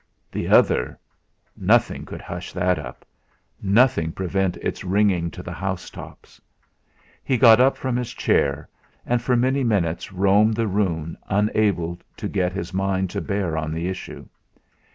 The other nothing could hush that up, nothing prevent its ringing to the house tops. He got up from his chair, and for many minutes roamed the room unable to get his mind to bear on the issue.